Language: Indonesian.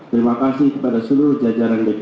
terima kasih kepada seluruh jajaran dpd